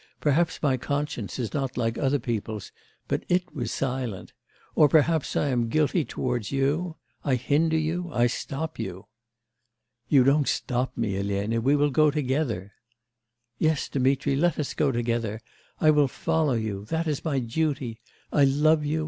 Perhaps my conscience is not like other people's, but it was silent; or perhaps I am guilty towards you? I hinder you, I stop you.' 'You don't stop me, Elena; we will go together.' 'Yes, Dmitri, let us go together; I will follow you.... That is my duty. I love you....